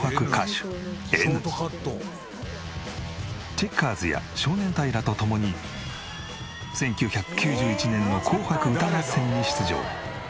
チェッカーズや少年隊らと共に１９９１年の『紅白歌合戦』に出場。